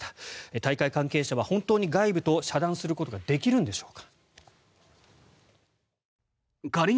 大会関係者は本当に外部と遮断することができるんでしょうか。